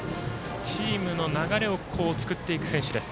チームの流れを作っていく選手。